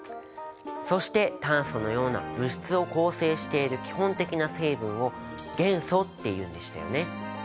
そして炭素のような物質を構成している基本的な成分を元素っていうんでしたよね。